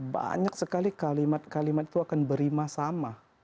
banyak sekali kalimat kalimat itu akan berima sama